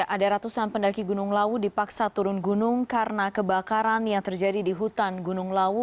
ada ratusan pendaki gunung lawu dipaksa turun gunung karena kebakaran yang terjadi di hutan gunung lawu